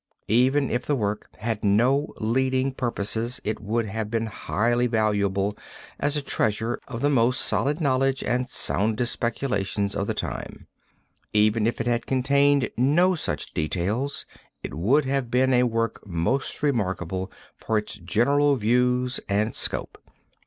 Even if the work had no leading purposes it would have been highly valuable as a treasure of the most solid knowledge and soundest speculations of the time; even if it had contained no such details it would have been a work most remarkable for its general views and scope."